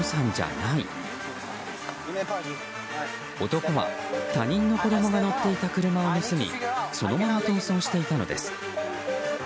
男は他人の子供が乗っていた車を盗みそのまま逃走していたのです。